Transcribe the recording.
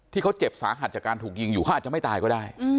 ที่เขาเจ็บสาหัสจากการถูกยิงอยู่เขาอาจจะไม่ตายก็ได้